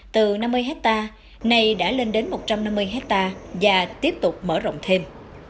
từ năm mươi hectare này đã lên đến một trăm năm mươi hectare và tiếp tục mở rộng thêm